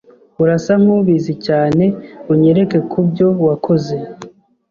Urasa nkubizi cyane unyereke kubyo wakoze